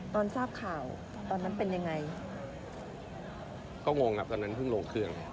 ตอนทราบข่าวตอนนั้นเป็นยังไงก็งงอ่ะตอนนั้นเพิ่งลงเครื่อง